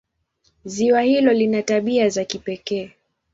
Ziwa hilo lina tabia za pekee.